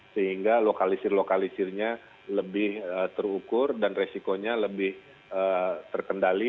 sehingga lokalisir lokalisirnya lebih terukur dan resikonya lebih terkendali